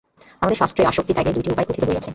আমাদের শাস্ত্রে আসক্তি-ত্যাগের দুইটি উপায় কথিত হইয়াছে।